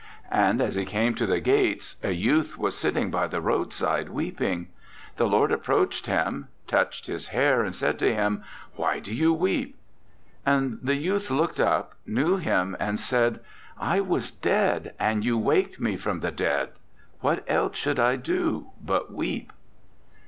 And as he came to the gates, a youth was sitting by the roadside, weeping. The Lord approached him, touched his hair, and said to him: 'Why do you weep?' "And the youth looked up, knew him, and said: 'I was dead, and you waked me from the dead. What else should I do but weep?'"